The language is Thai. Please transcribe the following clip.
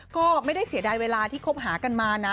ก็ไม่ได้เสียดายเวลาที่คบหากันมานะ